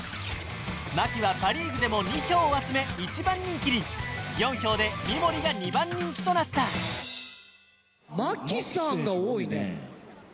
牧はパ・リーグでも２票を集め一番人気に４票で三森が２番人気となった牧さんが多いね。